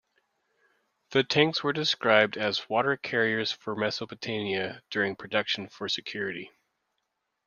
The tanks were described as "Water carriers for Mesopotamia" during production for security.